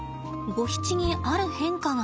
ゴヒチにある変化が。